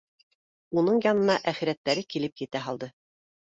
Уның янына әхирәттәре килеп етә һалды